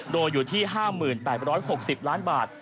โดยอยู่ที่๕๘๖๐ล้านบาท